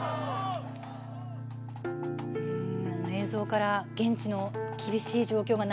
映像から現地の厳しい状況